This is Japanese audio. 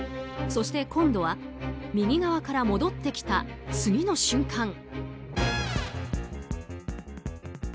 そして今度は右側から戻ってきた次の瞬間。